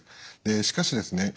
しかしですね